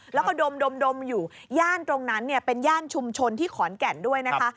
แล้วก็ดมอยู่ย่านตรงนั้นเนี่ยเป็นย่านชุมชนที่ขอนแก่นด้วยนะคะ